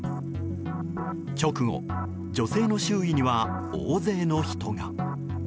直後、女性の周囲には大勢の人が。